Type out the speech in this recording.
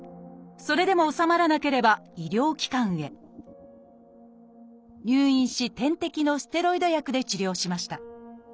それでもおさまらなければ医療機関へ入院し点滴のステロイド薬で治療しました。